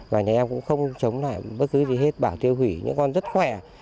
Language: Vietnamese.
và nhà em cũng không chống lại bất cứ gì hết bảo tiêu hủy những con rất khỏe